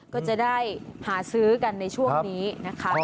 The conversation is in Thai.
ก็จะได้หาซื้อกันในช่วงนี้นะคะ